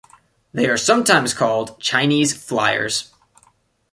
They are sometimes called Chinese flyers.